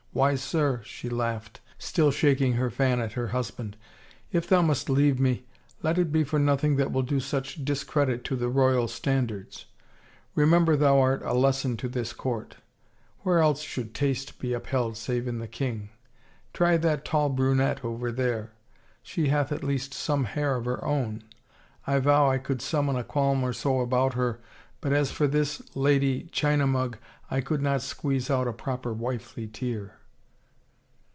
" Why, sir," she laughed, still shaking her fan at her husband, " if thou must leave me, let it be for nothing that will do such discredit to thy royal standards. Remember thou art a lesson to this court. Where else should taste be up held save in the king? .., Try that tall brunette over there. She hath at least some hair of her own. I vow I could summon a qualm or so about her, but as for this — this lady Ghina Mug I could not squeeze out a proper wifely tear!"